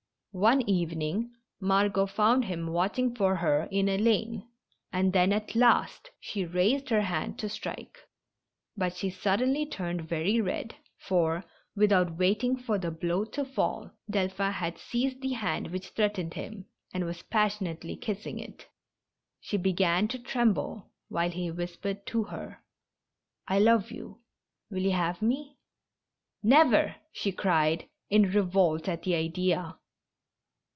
One evening Margot found him watching for her in a lane, and then at last she raised her hand to strike. But she suddenly turned very red, for, without waiting for the blow to fall, Delphin had seized the hand which threatened him, and was passionately kissing it. She began to tremble, while he whispered to her: " I love you. Will you have me ?" "Never! " she cried, in revolt at the idea.